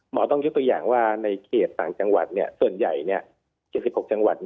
ต้องยกตัวอย่างว่าในเขตต่างจังหวัดส่วนใหญ่๗๖จังหวัด